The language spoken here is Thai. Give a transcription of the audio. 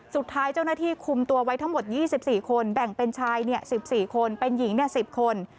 สุดท้ายเจ้าหน้าที่คุมตัวไว้ทั้งหมด๒๔คนแบ่งเป็นชาย๑๔คนเป็นหญิง๑๐คน